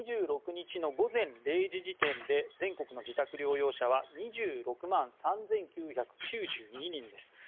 ２６日の午前０時時点で全国の自宅療養者は２６万３９９２人です。